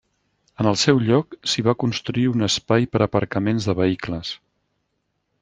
En el seu lloc s'hi va construir un espai per aparcaments de vehicles.